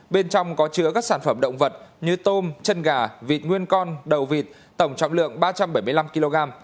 bên trong có chứa các sản phẩm động vật như tôm chân gà vịt nguyên con đầu vịt tổng trọng lượng ba trăm bảy mươi năm kg